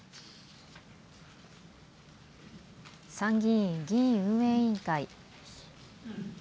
参議院議院運営委員会。